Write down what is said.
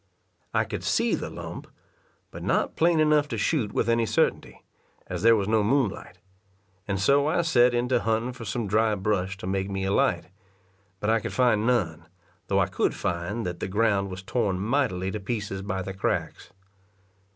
I could see the lump, but not plain enough to shoot with any certainty, as there was no moonlight; and so I set in to hunting for some dry brush to make me a light; but I could find none, though I could find that the ground was torn mightily to pieces by the cracks.